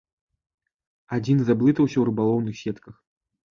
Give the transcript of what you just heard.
Адзін заблытаўся ў рыбалоўных сетках.